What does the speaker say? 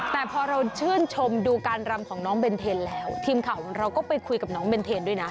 แต่พอเราชื่นชมดูการรำของน้องเบนเทนแล้วทีมข่าวของเราก็ไปคุยกับน้องเบนเทนด้วยนะ